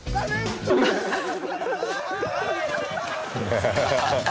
ハハハハ。